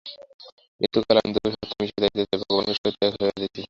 মৃত্যুকালে আমি দৈবী সত্তায় মিশিয়া যাইতে চাই, ভগবানের সহিত এক হইয়া যাইতে চাই।